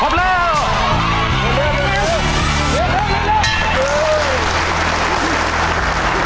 เว้ยเว้ยเว้ย